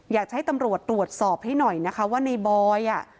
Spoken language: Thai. อยากจะให้ตำรวจตรวจสอบให้หน่อยนะคะว่าในบอยอ่ะ